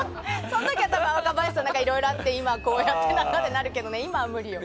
その時は若林さんもいろいろあって今、こうやってってなるけど今は無理よ。